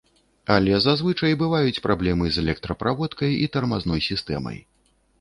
Але зазвычай бываюць праблемы з электраправодкай і тармазной сістэмай.